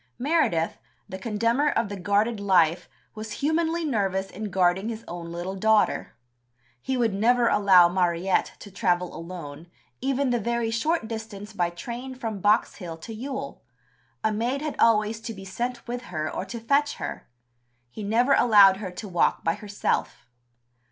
Meredith, the condemner of the "guarded life," was humanly nervous in guarding his own little daughter. "He would never allow Mariette to travel alone, even the very short distance by train from Box Hill to Ewell; a maid had always to be sent with her or to fetch her. He never allowed her to walk by herself."